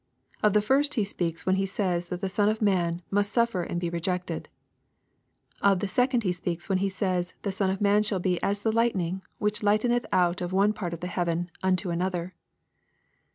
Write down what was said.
Of the first He speats when He says that the Son of Man " must suffer and be rtgected." Of the second He speaks when He says the Son of Man shall be as the lightning which lighteneth out of one part of heaven unto another.